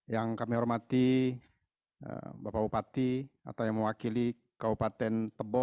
yang kami hormati bapak bupati atau yang mewakili kabupaten tebo